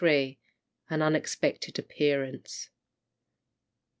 AN UNEXPECTED APPEARANCE.